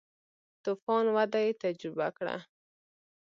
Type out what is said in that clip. تو فان وده یې تجربه کړه.